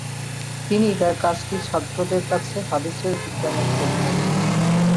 তিনি তাঁর কাজটি ছাত্রদের কাছে হাদীসের বিজ্ঞানের পরিচয় দিয়েছিলেন।